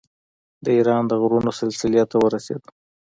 د ایران د غرونو سلسلې ته ورسېدو.